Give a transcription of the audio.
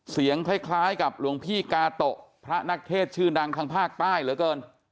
คล้ายกับหลวงพี่กาโตะพระนักเทศชื่อดังทางภาคใต้เหลือเกิน